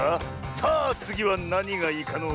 さあつぎはなにがいいかのう。